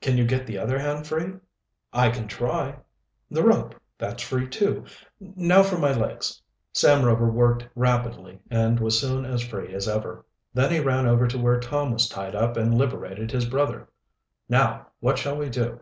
"Can you get the other hand free?" "I can try. The rope that's free, too. Now for my legs." Sam Rover worked rapidly, and was soon as free as ever. Then he ran over to where Tom was tied up and liberated his brother. "Now, what shall we do?"